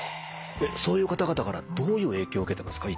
そういう方々からどういう影響を受けてますか？